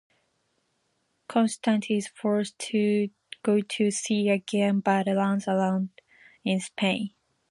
Constance is forced to go to sea again but runs aground in Spain.